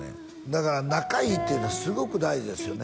だから仲いいっていうのはすごく大事ですよね